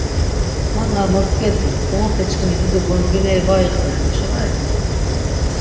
Man ar motzk̆edi, tomapeçkimi dido gondgineri var iqveren eşo va reni?